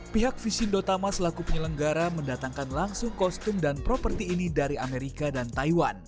pihak visindo tama selaku penyelenggara mendatangkan langsung kostum dan properti ini dari amerika dan taiwan